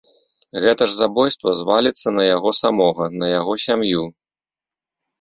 Гэта ж забойства зваліцца на яго самога, на яго сям'ю.